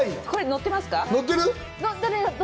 載ってる？